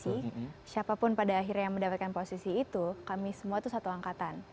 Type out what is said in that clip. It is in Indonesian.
tidak penting siapa yang memegang posisi siapa pun pada akhirnya yang mendapatkan posisi itu kami semua itu satu angkatan